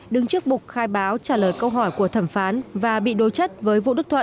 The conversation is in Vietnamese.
đứng trước bục khai báo trả lời câu hỏi của thẩm phán và bị đối chất với vũ đức thuận